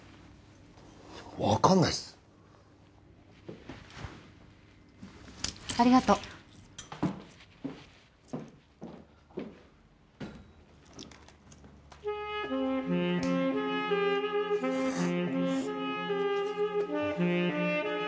分かんないっすありがとうえッ！？